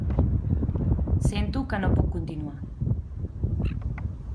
Sento que no puc continuar.